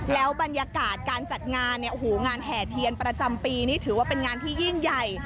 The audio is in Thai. แล้วบรรยากาศการจัดงานเนี่ยโอ้โหงานแห่เทียนประจำปีนี่ถือว่าเป็นงานที่ยิ่งใหญ่